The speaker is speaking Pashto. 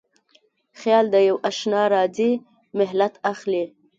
خیال د یواشنا راځی مهلت اخلي